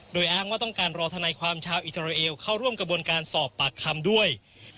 โดยอ้างว่าต้องการรอธนายความชาวอิสราเอลเข้าร่วมกระบวนการสอบปากคำด้วย